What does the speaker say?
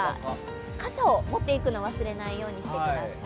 傘を持っていくのを忘れないようにしてください。